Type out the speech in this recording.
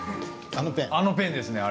「あのペン」ですね